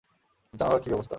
জানালার কী ব্যবস্থা?